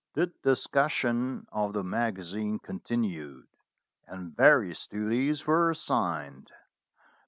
The discussion of the magazine continued, and vari ous duties were assigned.